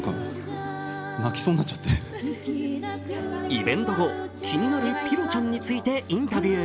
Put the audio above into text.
イベント後、気になるピロちゃんについてインタビュー。